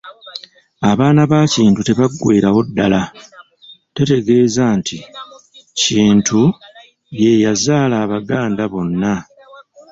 Abaana ba Kintu tebaggweerawo ddala, tetegeeza nti Kintu ye yazaala Abaganda bonna.